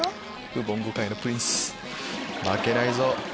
ウボンゴ界のプリンス負けないぞ。